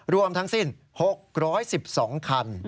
รวมทั้งสิ้น๖๑๒คัน